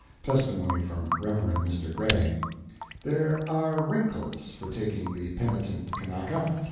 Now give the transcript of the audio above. Testimony from Rev. Mr. Gray: "There are 'wrinkles' for taking the penitent Kanaka.